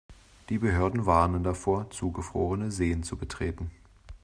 Die Behörden warnen davor, zugefrorene Seen zu betreten.